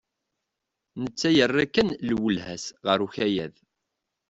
Netta yerra kan lwelha-s ɣer ukayad.